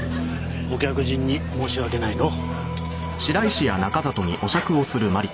お客人に申し訳ないのう。